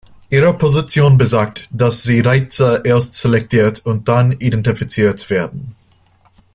Ihre Position besagt, dass die Reize erst selektiert und dann identifiziert werden.